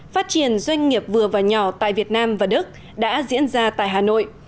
phát triển doanh nghiệp vừa và nhỏ tại việt nam và đức đã diễn ra tại hà nội